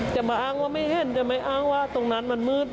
จะมาอ้างว่าไม่เห็นจะไม่อ้างว่าตรงนั้นมันมืด